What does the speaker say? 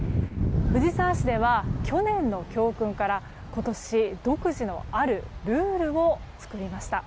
藤沢市では去年の教訓から今年、独自のあるルールを作りました。